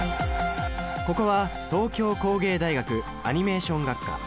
ここは東京工芸大学アニメーション学科。